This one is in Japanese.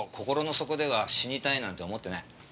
底では死にたいなんて思ってない。